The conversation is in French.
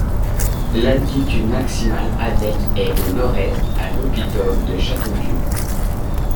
L'altitude maximale avec est au nord-est, à l'oppidum de Châteauvieux.